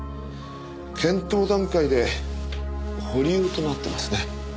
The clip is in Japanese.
検討段階で保留となってますね。